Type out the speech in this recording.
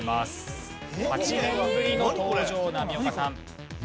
８年ぶりの登場波岡さん。